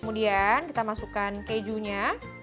kemudian kita masukkan kejunya